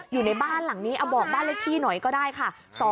อยู่ในบ้านหลังนี้เอาบอกบ้านเลขที่หน่อยก็ได้ค่ะ